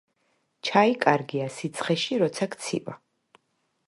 ჩაი კარგია სიცხეში როცა გცივა